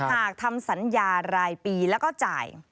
หากทำสัญญารายปีแล้วก็จ่าย